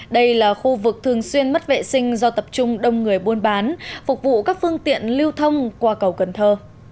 đây là khu vực thường xuyên mất vệ sinh do tập trung đông người buôn bán phục vụ các phương tiện lưu thông qua cầu cần thơ